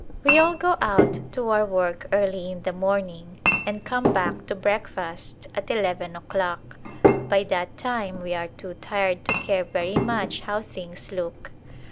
We all go out to our work early in the morning and come back to break fast at eleven o'clock j by that time we are too tired to care very much how things look.